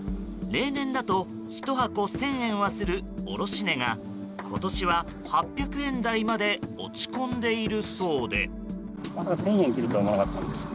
例年だと１箱１０００円はする卸値が今年は８００円台まで落ち込んでいるそうで。